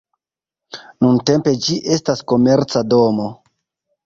Nuntempe ĝi estas komerca domo.